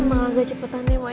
emang agak cepetan nih ma ya